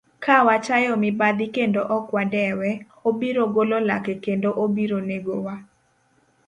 Ka wachayo mibadhi kendo ok wadewe, obiro golo lake kendo obiro negowa